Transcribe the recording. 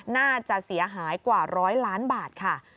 น่าจะเสียหายกว่า๑๐๐ล้านบาทค่ะ